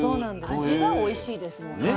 味はおいしいですもんね。